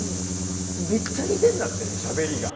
めっちゃ似てるんだってねしゃべりが。